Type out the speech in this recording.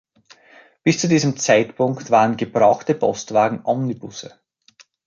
Bis zu diesem Zeitpunkt waren gebrauchte Postwagen Omnibusse.